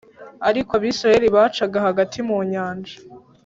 Ariko abisirayeli bacaga hagati mu nyanja